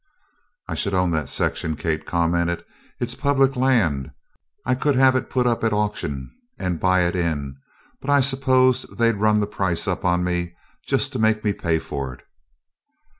"I should own that section," Kate commented. "It's public land. I could have it put up at auction and buy it in, but I suppose they'd run the price up on me just to make me pay for it.